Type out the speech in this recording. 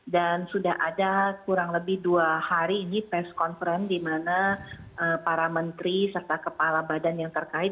dan sudah ada kurang lebih dua hari ini test conference di mana para menteri serta kepala badan yang terkait